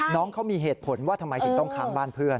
น้องเขามีเหตุผลว่าทำไมถึงต้องค้างบ้านเพื่อน